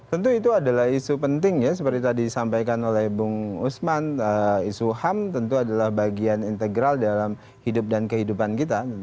tentu itu adalah isu penting ya seperti tadi disampaikan oleh bung usman isu ham tentu adalah bagian integral dalam hidup dan kehidupan kita